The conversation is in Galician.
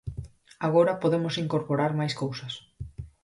Agora podemos incorporar máis cousas.